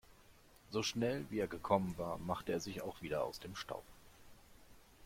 So schnell, wie er gekommen war, machte er sich auch wieder aus dem Staub.